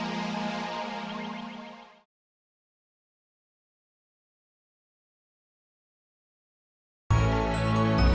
orang tadi kita datengnya dari sini